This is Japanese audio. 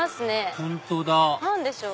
本当だ何でしょう？